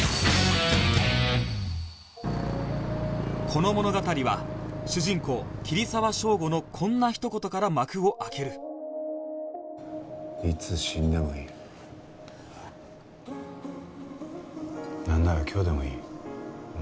この物語は主人公桐沢祥吾のこんな一言から幕を開けるなんなら今日でもいい。